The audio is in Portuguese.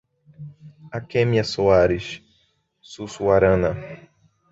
Akemia Soares Sussuarana